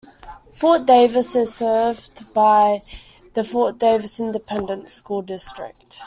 Fort Davis is served by the Fort Davis Independent School District.